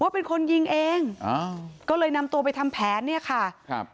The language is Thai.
เป็นคนยิงเองอ่าก็เลยนำตัวไปทำแผนเนี่ยค่ะครับ